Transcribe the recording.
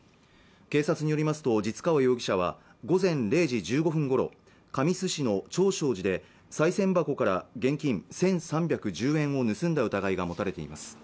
警察によりますと実川容疑者は午前０時１５分ごろ神栖市の長照寺でさい銭箱から現金１３１０円を盗んだ疑いが持たれています